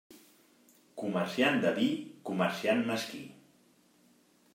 Comerciant de vi, comerciant mesquí.